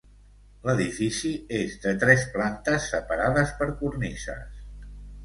L'edifici és de tres plantes separades per cornises.